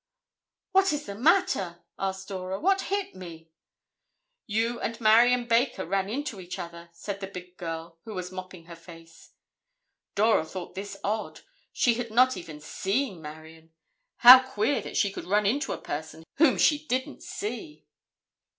"What is the matter?" asked Dora. "What hit me?" "You and Marion Baker ran into each other," said the big girl who was mopping her face. Dora thought this odd. She had not even seen Marion. How queer that she could run into a person whom she didn't see!